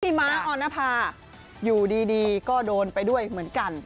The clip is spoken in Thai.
ม้าออนภาอยู่ดีก็โดนไปด้วยเหมือนกัน